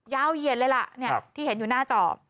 เยียดเลยล่ะที่เห็นอยู่หน้าจอ